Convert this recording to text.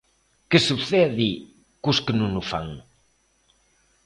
Que sucede cos que non o fan?